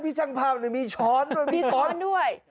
พี่ช่างภาพมีช้อนด้วย